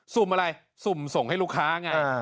สุ่มอะไรสุ่มส่งให้ลูกค้าไง